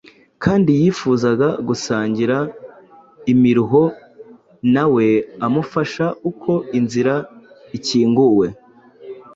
kandi yifuzaga gusangira imiruho nawe amufasha uko inzira ikinguwe.